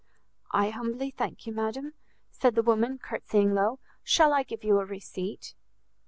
"I humbly thank you, madam," said the woman, curtsying low, "shall I give you a receipt?"